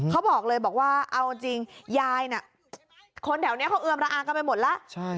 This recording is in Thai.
เขาบอกเลยบอกว่าเอาจริงยายน่ะคนแถวนี้เขาเอือมระอากันไปหมดแล้ว